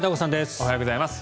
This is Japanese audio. おはようございます。